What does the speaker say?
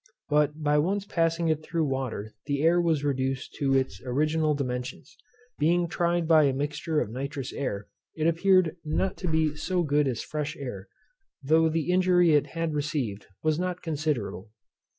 But by once passing it through water the air was reduced to its original dimensions. Being tried by a mixture of nitrous air, it appeared not to be so good as fresh air, though the injury it had received was not considerable.